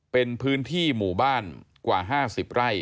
เป็นพื้นที่หมู่บ้านกว่า๕๐ไร่